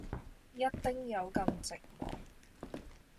一丁友咁寂寞